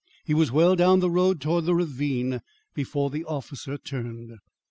He was well down the road towards the ravine, before the officer turned.